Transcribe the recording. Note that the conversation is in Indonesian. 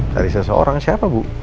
cari seseorang siapa bu